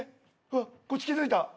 うわっこっち気付いた。